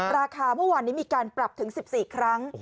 ราคาเมื่อวานนี้มีการปรับถึง๑๔ครั้ง